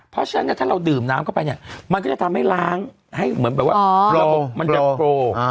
เพราะฉะนั้นเนี่ยถ้าเราดื่มน้ำเข้าไปเนี่ยมันก็จะทำให้ล้างให้เหมือนแบบว่าระบบมันจะโปร